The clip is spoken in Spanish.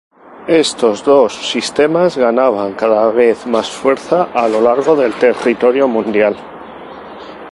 Estos dos sistemas ganaban cada vez más fuerza a lo largo del territorio mundial.